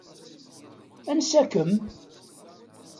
Ansa-kem?